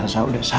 rasa udah sadar